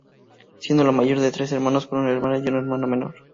Siendo la mayor de tres hermanos, con un hermano y una hermana menor.